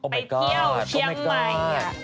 ไปเที่ยวเชียงใหม่